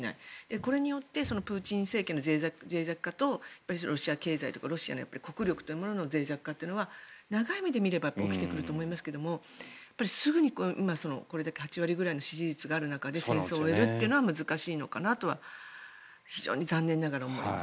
これによってプーチン政権のぜい弱化とロシア経済とかロシアの国力というもののぜい弱化というのは長い目で見れば起きてくると思いますけれどもすぐに今、これだけの８割ぐらいの支持率がある中で戦争を終えるというのは難しいのかなと非常に残念ながら思います。